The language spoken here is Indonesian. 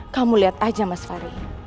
kamu lihat aja mas fahri